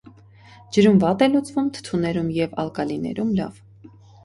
Ջրում վատ է լուծվում, թթուներում և ալկալիներում՝ լավ։